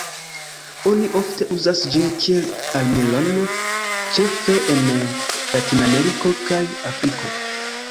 Oni ofte uzas ĝin kiel armilon, ĉefe en Latinameriko kaj Afriko.